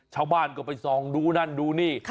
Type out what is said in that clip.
ชาวบ้านก็ไปส่องดูนั่นดูนี่